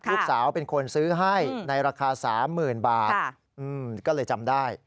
ลูกสาวเป็นคนซื้อให้ในราคา๓๐๐๐บาทก็เลยจำได้